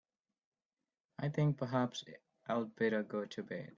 I think perhaps I'd better go to bed.